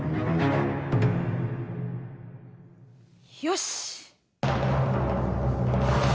よし！